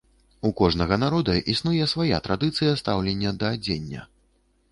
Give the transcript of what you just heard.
У кожнага народа існуе свая традыцыя стаўлення да адзення.